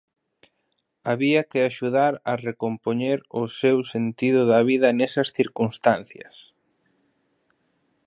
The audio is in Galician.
Había que axudar a recompoñer o seu sentido de vida nesas circunstancias.